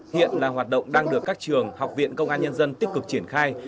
hiện là hoạt động đang được các trường học viện công an nhân dân tích cực triển khai